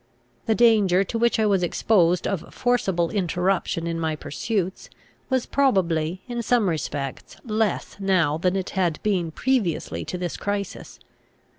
The danger to which I was exposed of forcible interruption in my pursuits, was probably, in some respects, less now than it had been previously to this crisis.